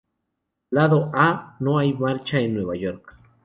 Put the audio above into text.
Lado A: ""No hay marcha en Nueva York"".